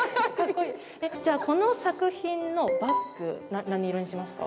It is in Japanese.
じゃあこの作品のバック何色にしますか？